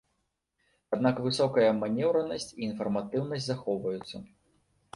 Аднак высокая манеўранасць і інфарматыўнасць захоўваюцца.